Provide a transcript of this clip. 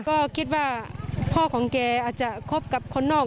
ก็คิดว่าพ่อของแกอาจจะคบกับคนนอก